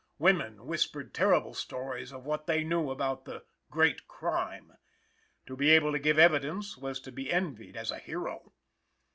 Women whispered terrible stories of what they knew about the "Great Crime." To be able to give evidence was to be envied as a hero.